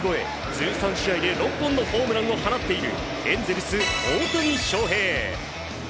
１３試合で６本のホームランを放っているエンゼルス、大谷翔平。